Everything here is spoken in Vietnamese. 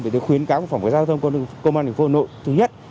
vì thế khuyến cáo phòng giao thông công an tp hà nội thứ nhất